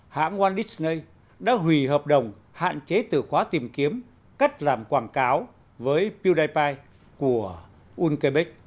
hãng walt disney đã hủy hợp đồng hạn chế từ khóa tìm kiếm cắt làm quảng cáo với pewdiepie của unkebeck